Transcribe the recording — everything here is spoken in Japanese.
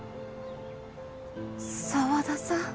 沢田さん？